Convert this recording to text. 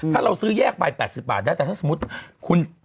ถ้าเราซื้อแยกไป๘๐บาทได้แต่ถ้าสมมุติคุณ